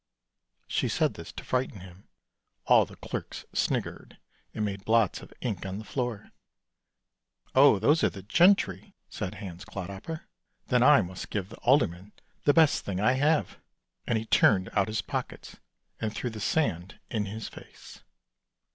She said this to frighten him. All the clerks sniggered and made blots of ink on the floor. " Oh, those are the gentry," said Hans Clodhopper; " then I must give the alderman the best thing I have," and he turned out his pockets and threw the sand in his face.